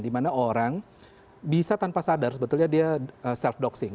dimana orang bisa tanpa sadar sebetulnya dia self doxing